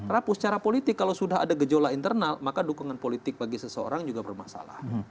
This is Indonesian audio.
rapuh secara politik kalau sudah ada gejola internal maka dukungan politik bagi seseorang juga bermasalah